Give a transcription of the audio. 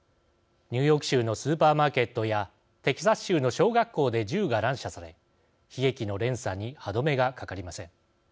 ニューヨーク州のスーパーマーケットやテキサス州の小学校で銃が乱射され、悲劇の連鎖に歯止めがかかりません。